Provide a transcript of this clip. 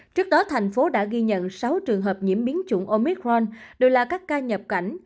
trước đó thành phố đã ghi nhận sáu trường hợp nhiễm biến chủng omicron đều là các ca nhập cảnh